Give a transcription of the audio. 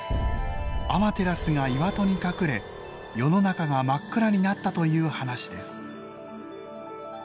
アマテラスが岩戸に隠れ世の中が真っ暗になったという話です。